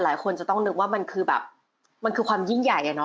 หลายคนจะต้องนึกว่ามันคือแบบมันคือความยิ่งใหญ่อะเนาะ